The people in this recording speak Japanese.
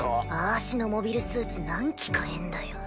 あしのモビルスーツ何機買えんだよ。